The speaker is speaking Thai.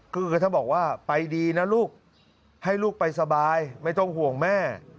คือถ้าบอกว่าไปดีนะลูกให้ลูกไปสบายไม่ต้องห่วงแม่